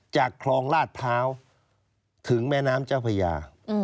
จากคลองลาดพร้าวถึงแม่น้ำเจ้าพญา